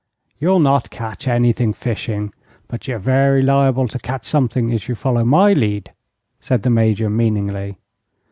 "You'll not catch anything fishing, but you're very liable to catch something if you follow my lead," said the Major, meaningly.